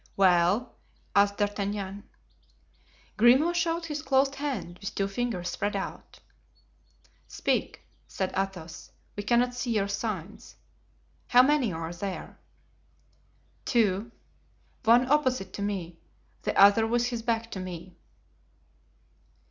"Well?" asked D'Artagnan. Grimaud showed his closed hand, with two fingers spread out. "Speak," said Athos; "we cannot see your signs. How many are there?" "Two. One opposite to me, the other with his back to me."